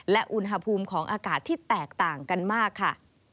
และอุณหภูมิของอากาศที่แตกต่างกันมากค่ะ